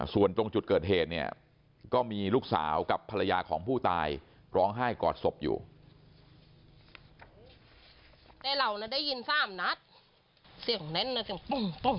ส่วนตรงจุดเกิดเหตุเนี่ยก็มีลูกสาวกับภรรยาของผู้ตายร้องไห้กอดศพอยู่